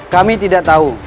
kami tidak tahu